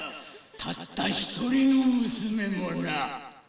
たった一人の娘もな。